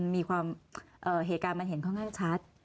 เหตุการณ์มันเห็นค่อนข้างชัด